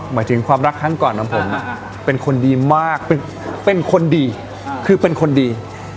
หมายถึงความรักครั้งก่อนของผมเป็นคนดีมากเป็นคนดีคือเป็นคนดี